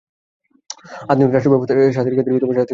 আধুনিক রাষ্ট্র ব্যবস্থায় শাস্তির খাতিরে শাস্তি দেয়া হয় বিরল।